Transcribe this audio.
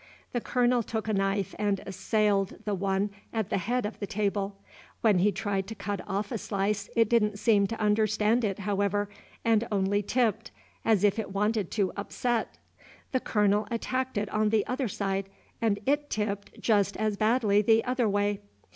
The Colonel took a knife and assailed the one at the head of the table. When he tried to cut off a slice, it didn't seem to understand it, however, and only tipped, as if it wanted to upset. The Colonel attacked it on the other side, and it tipped just as badly the other way.